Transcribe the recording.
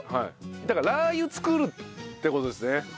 だからラー油作るって事ですね。